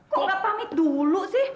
kok nggak pamit dulu sih